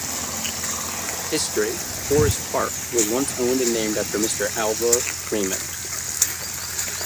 History: Forest Park was once owned and named after Mr. Alva Raymond.